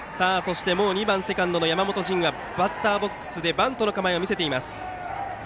２番セカンド、山本迅斗がすでにバッターボックスでバントの構えを見せています。